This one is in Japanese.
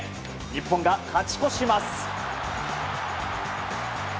日本が勝ち越します。